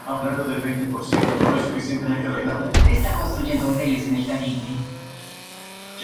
Compañía de producción en los medios de comunicación.